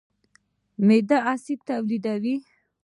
معده اسید تولیدوي.